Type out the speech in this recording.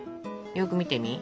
よく見てみ。